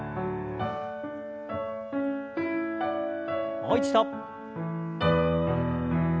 もう一度。